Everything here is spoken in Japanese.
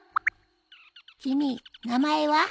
君名前は？